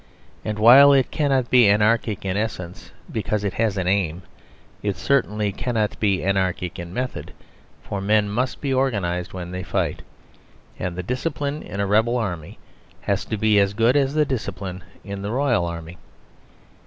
And while it cannot be anarchic in essence (because it has an aim), it certainly cannot be anarchic in method; for men must be organised when they fight; and the discipline in a rebel army has to be as good as the discipline in the royal army.